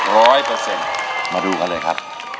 ร้อยเปอร์เซ็นต์มาดูกันเลยครับ